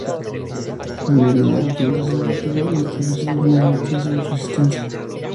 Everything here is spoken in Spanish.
Almería, donde se retiró y estableció definitivamente su residencia.